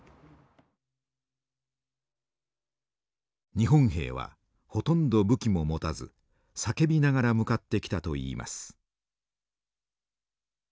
日本兵はほとんど武器も持たず叫びながら向かってきたといいます。